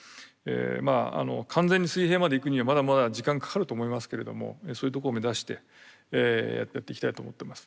まあ完全に水平までいくにはまだまだ時間かかると思いますけれどもそういうとこを目指してやっていきたいと思ってます。